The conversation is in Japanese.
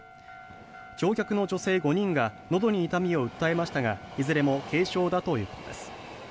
乗客の女性５人がのどの痛みを訴えましたがいずれも軽症だということです。